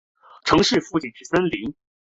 城市附近是森林。